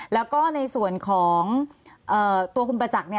แล้วก็ในส่วนของตัวคุณประจักษ์